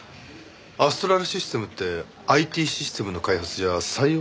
アストラルシステムってＩＴシステムの開発じゃ最大手ですね。